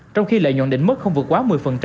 trong khi lợi nhuận đỉnh mức không vượt quá một mươi